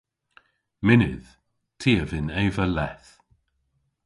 Mynnydh. Ty a vynn eva leth.